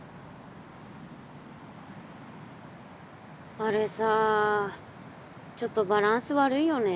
あれさちょっとバランス悪いよね。